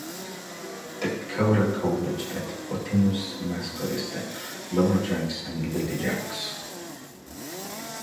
Dakota College at Bottineau's mascot is the Lumberjacks and Ladyjacks.